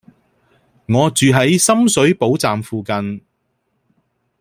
我住喺深水埗站附近